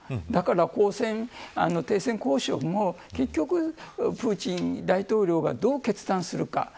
だから停戦交渉も結局、プーチン大統領がどう決断するのか。